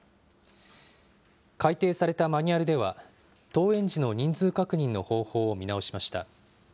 改定されたマニュアルでは、登園時の人数確認の方法を見直しました。